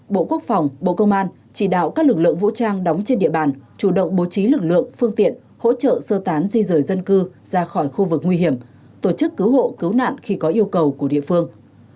bộ quốc phòng bộ công an chỉ đạo các lực lượng vũ trang đóng trên địa bàn chủ động bố trí lực lượng phương tiện hỗ trợ sơ tán di rời dân cư ra khỏi khu vực nguy hiểm tổ chức cứu hộ cứu nạn khi có yêu cầu của địa phương